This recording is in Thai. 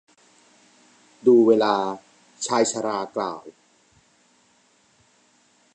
ดูเวลา ชายชรากล่าว